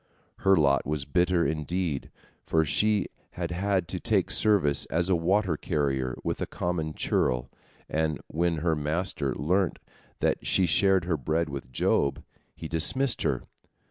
Her lot was bitter, indeed, for she had had to take service as a water carrier with a common churl, and when her master learnt that she shared her bread with Job, he dismissed her.